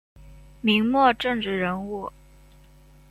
明末政治人物。